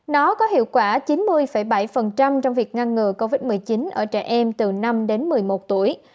nó có hiệu quả chín mươi bảy trong việc ngăn ngừa covid một mươi chín ở trẻ em từ năm đến một mươi một tuổi